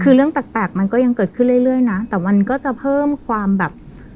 คือเรื่องแปลกมันก็ยังเกิดขึ้นเรื่อยนะแต่มันก็จะเพิ่มความแบบ